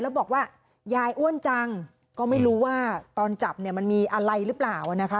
แล้วบอกว่ายายอ้วนจังก็ไม่รู้ว่าตอนจับเนี่ยมันมีอะไรหรือเปล่านะคะ